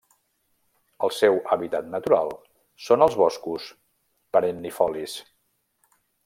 El seu hàbitat natural són els boscos perennifolis.